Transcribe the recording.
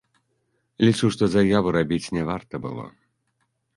Лічу, што заяву рабіць не варта было.